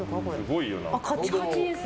カチカチです。